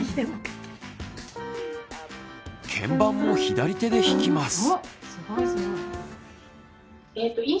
鍵盤も左手で弾きます。